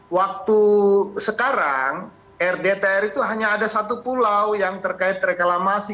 waktu sekarang rdtr itu hanya ada satu pulau yang terkait reklamasi